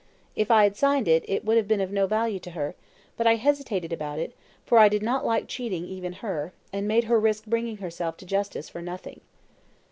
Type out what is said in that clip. If I had signed it, it would have been of no value to her; but I hesitated about it, for I did not like cheating even her, and making her risk bringing herself to justice for nothing."